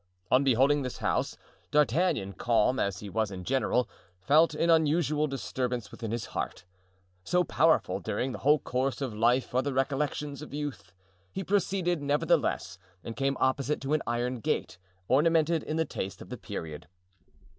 On beholding this house, D'Artagnan, calm as he was in general, felt an unusual disturbance within his heart—so powerful during the whole course of life are the recollections of youth. He proceeded, nevertheless, and came opposite to an iron gate, ornamented in the taste of the period.